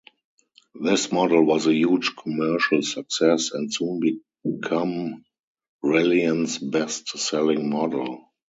This model was a huge commercial success and soon become Reliant's best selling model.